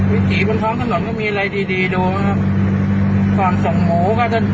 วิธีบนท้องขนงก็มีอะไรดีดีดูครับความส่งโหก็จะ